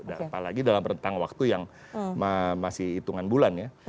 apalagi dalam rentang waktu yang masih hitungan bulan ya